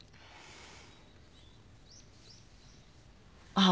あっ。